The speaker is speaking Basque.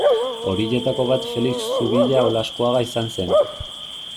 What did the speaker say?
Horietako bat Felix Zubia Olaskoaga izan zen.